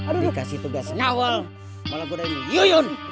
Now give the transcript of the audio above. dikasih tugas nyawal malah godain yuyun